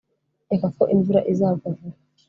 Nkeka ko imvura izagwa vuba